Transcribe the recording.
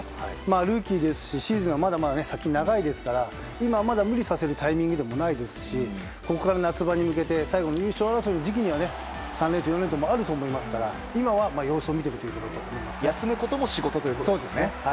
ルーキーですしシーズンはまだまだ先が長いですから、今は無理させるタイミングでもないですしここから夏場に向けて優勝争いの時期には３連投４連投もあると思いますから、今は休むことも仕事ということですね。